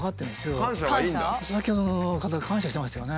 先ほどの方感謝してましたよね。